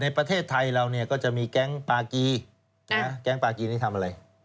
ประเทศไทยเราก็จะมีแก๊งปากีแก๊งปากีนี่ทำอะไร